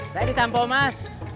saya di tampomas